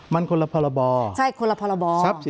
มันคุณละพลบ